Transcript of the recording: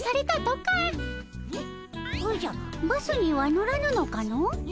おじゃバスには乗らぬのかの？